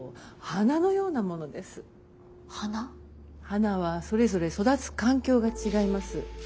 花はそれぞれ育つ環境が違います。